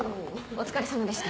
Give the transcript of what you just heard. お疲れさまです。